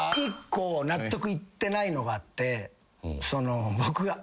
１個納得いってないのがあってその僕が。